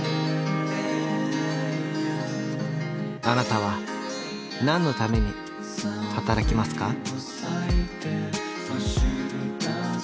あなたは何のために働きますか？